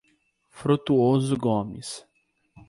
Frutuoso Gomes